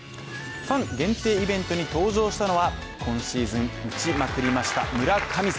ファン限定イベントに登場したのは今シーズン打ちまくりました、村神様